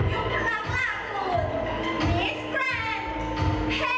มิสแครนด์นักลวิทยุโภคมัธยุมภาคไลน์